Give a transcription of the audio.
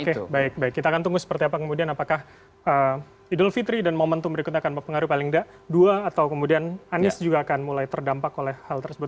oke baik baik kita akan tunggu seperti apa kemudian apakah idul fitri dan momentum berikutnya akan mempengaruhi paling tidak dua atau kemudian anies juga akan mulai terdampak oleh hal tersebut